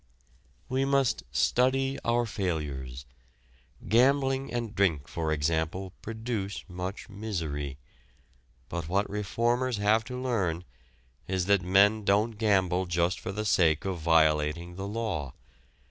We must study our failures. Gambling and drink, for example, produce much misery. But what reformers have to learn is that men don't gamble just for the sake of violating the law.